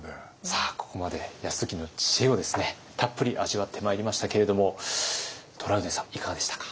さあここまで泰時の知恵をたっぷり味わってまいりましたけれどもトラウデンさんいかがでしたか？